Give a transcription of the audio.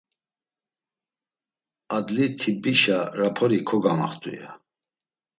Adli tibbişa rapori kogamaxt̆u ya.”